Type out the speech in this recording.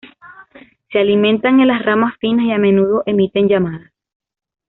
Se alimentan en las ramas finas y a menudo emiten llamadas.